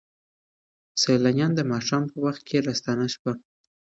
سیلانیان د ماښام په وخت کې راستانه شول.